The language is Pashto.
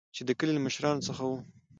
چې د کلي له مشران څخه وو.